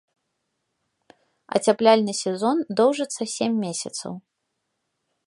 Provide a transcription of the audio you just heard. Ацяпляльны сезон доўжыцца сем месяцаў.